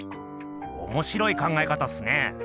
おもしろい考え方っすね。